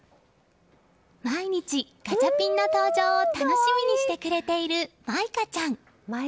毎日ガチャピンの登場を楽しみにしてくれている舞香ちゃん。